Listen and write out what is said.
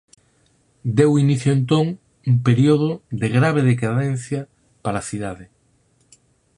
Deu inicio entón un período de grave decadencia para a cidade.